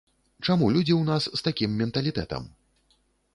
Чаму людзі ў нас з такім менталітэтам?